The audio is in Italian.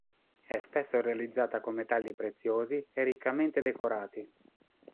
È spesso realizzata con metalli preziosi e riccamente decorati.